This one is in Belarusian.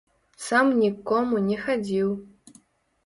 Сам ні к кому не хадзіў.